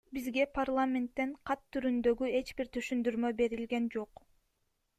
Бизге парламенттен кат түрүндөгү эч бир түшүндүрмө берилген жок.